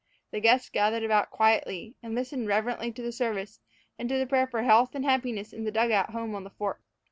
The guests gathered about quietly, and listened reverently to the service and to the prayer for health and happiness in the dugout home on the Fork.